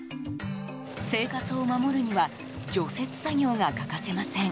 生活を守るには除雪作業が欠かせません。